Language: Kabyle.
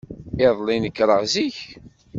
Iḍelli, nekreɣ zik.